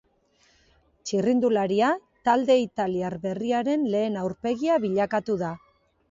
Txirrindularia, talde italiar berriaren lehen aurpegia bilakatu da.